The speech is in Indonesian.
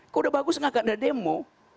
kok sudah bagus nggak ada demo